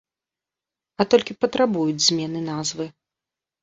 А толькі патрабуюць змены назвы.